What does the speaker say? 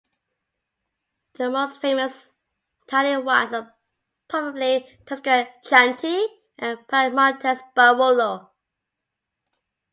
The most famous Italian wines are probably the Tuscan Chianti and the Piedmontese Barolo.